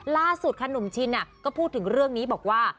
ล่าสุดค่ะหนุ่มชินก็พูดถึงเรื่องนี้บอกว่า